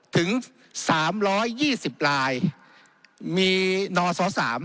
ถึง๓๒๐ลายมีนศ๓